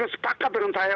yang sepakat dengan saya